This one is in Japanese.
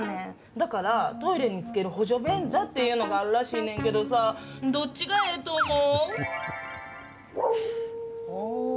だから、トイレにつける補助便座っていうのがあるらしいねんけどあぁ、どっちでもええんちゃう？